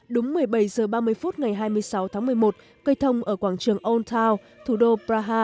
đúng một mươi bảy h ba mươi phút ngày hai mươi sáu tháng một mươi một cây thông ở quảng trường ôn town thủ đô praha